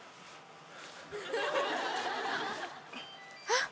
あっ